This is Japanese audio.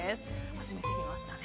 初めて見ましたね。